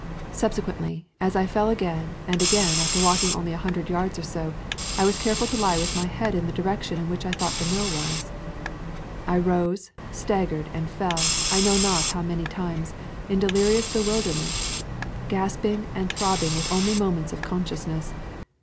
Sub sequently, as I fell again and again after walk ing only a hundred yards or so, I was careful to lie with my head in the direction in which I thought the mill was. I rose, staggered, and fell, I know not how many times, in delirious bewilderment, gasping and throbbing with only moments of consciousness.